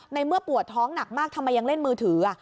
ในเมื่อปวดท้องหนักมากทำไมยังเล่นมือถือ